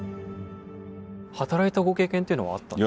働いたご経験っていうのはあったんですか？